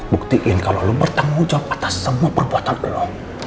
buktiin kalau lo bertanggung jawab atas semua perbuatan allah